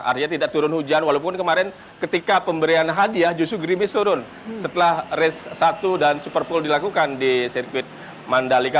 artinya tidak turun hujan walaupun kemarin ketika pemberian hadiah justru grimis turun setelah race satu dan super pool dilakukan di sirkuit mandalika